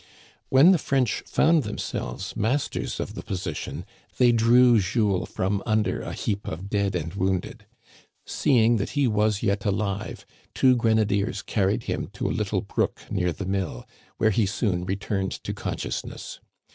When the French found themselves masters of the position they drew Jules from under a heap of dead and wounded. Seeing that he was yet alive, two grenadiers carried him to a little brook near the mill, where he soon returned to consciousness.